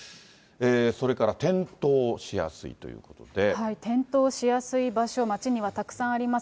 それから転倒しやすいということ転倒しやすい場所、街にはたくさんあります。